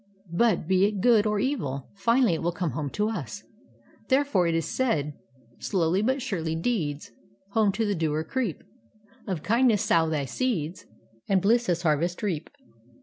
But be it good or e^^l, finally it "«ill come home to us. Therefore it is said: —* Slowly but surely deeds Home to the doer creep. Of kindness sow thy seeds, And bliss as harvest reap.'"